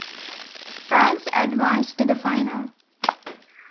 France advanced to the final.